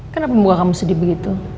kenapa buah kamu sedih begitu